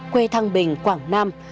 quê thăng bình quảng nam